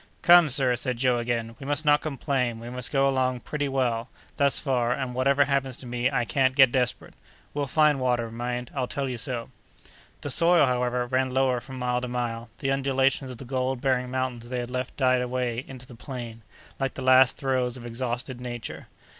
"Come, sir," said Joe, again, "we must not complain; we've got along pretty well, thus far, and whatever happens to me, I can't get desperate. We'll find water; mind, I tell you so." The soil, however, ran lower from mile to mile; the undulations of the gold bearing mountains they had left died away into the plain, like the last throes of exhausted Nature.